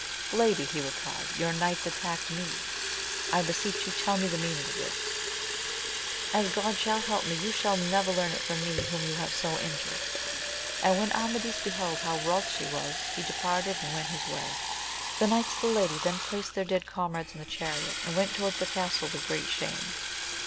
Lady, he replied, your knights attacked me. I beseech you tell me the meaning of this. — As God shall help me, you shall never learn it from me whom you have so injured. And when Amadis beheld how wroth she was, he departed and went his way. The knights of the lady then placed their dead comrades in the chariot, and went towards the castle with great shame.